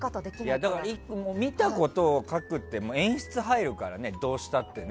だから、見たことを書くって演出が入るからねどうしたってね。